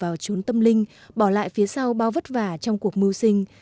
với mong muốn tâm linh bỏ lại phía sau bao vất vả trong cuộc mưu sinh